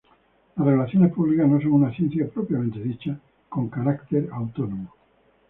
Las relaciones públicas no son una ciencia propiamente dicha, con carácter autónomo.